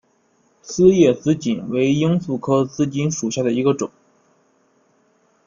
丝叶紫堇为罂粟科紫堇属下的一个种。